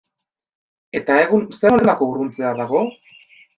Eta egun zer nolako urruntzea dago?